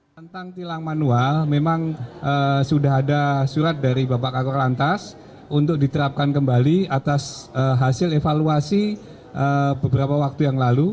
tentang tilang manual memang sudah ada surat dari bapak kakor lantas untuk diterapkan kembali atas hasil evaluasi beberapa waktu yang lalu